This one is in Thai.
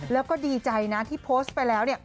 แล้วก็ดีใจนะที่โพสต์ไปแล้ว